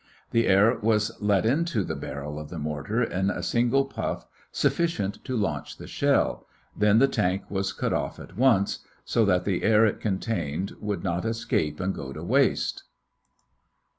The air was let into the barrel of the mortar in a single puff sufficient to launch the shell; then the tank was cut off at once, so that the air it contained would not escape and go to waste.